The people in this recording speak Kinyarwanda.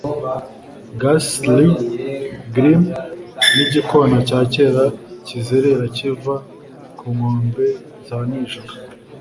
ghastly grim na igikona cya kera kizerera kiva ku nkombe za nijoro